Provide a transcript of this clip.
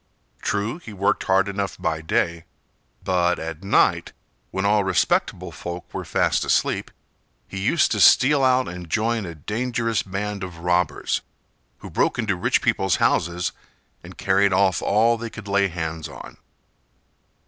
True, he worked hard enough by day, but at night, when all respectable folk were fast asleep, he used to steal out and join a dangerous band of robbers, who broke into rich people's houses and carried off all they could lay hands on.